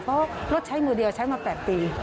เพราะรถใช้มือเดียวใช้มา๘ปี